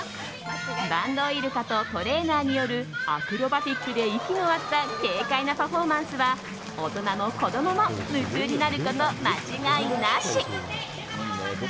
バンドウイルカとトレーナーによるアクロバティックで息の合った軽快なパフォーマンスは大人も子供も夢中になること間違いなし。